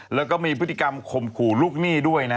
แล้วก็มีพฤติกรรมข่มขู่ลูกหนี้ด้วยนะ